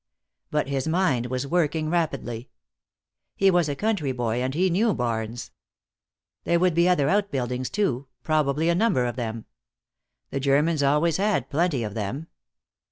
But his mind was working rapidly. He was a country boy, and he knew barns. There would be other outbuildings, too, probably a number of them. The Germans always had plenty of them.